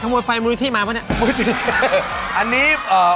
กำลังสกัสซี่อยู่สกัสซี่แหลม